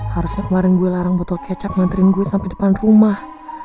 harusnya kemarin gue larang botol kecap nganterin gue sampai depan rumah